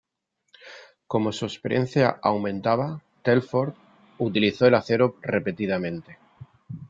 Como su experiencia aumentaba, Telford utilizó el acero repetidamente.